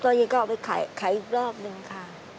ต่อเวียดก็ไปขายอีกรอบนึงค่ะ